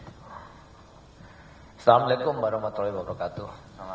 assalamu alaikum warahmatullahi wabarakatuh